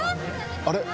あれ？